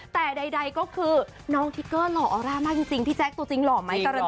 แต่ใดก็คือน้องทิกเกอร์หล่อออร่ามากจริงพี่แจ๊คตัวจริงหล่อไหมการัน